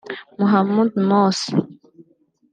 Mohamed Morsi